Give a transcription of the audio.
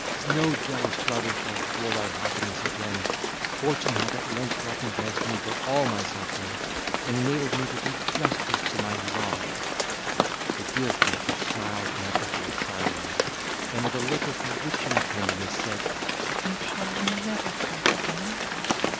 No jealous brother shall thwart our happiness again; fortune hath at length recompensed me for all my sufferings, and enabled me to do justice to my love." The dear creature smiled ineffably charmingly, and, with a look of bewitching tenderness, said, "and shall we never part again?"